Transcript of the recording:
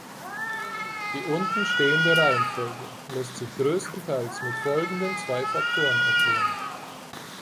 Die unten stehende Reihenfolge lässt sich größtenteils mit folgenden zwei Faktoren erklären.